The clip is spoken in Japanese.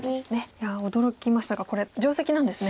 いや驚きましたがこれ定石なんですね。